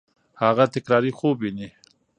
هغه تکراري خوب ویني.